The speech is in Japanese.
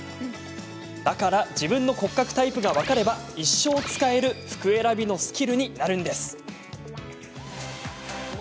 だから自分の骨格タイプが分かれば一生、使える服選びのスキルになるんです。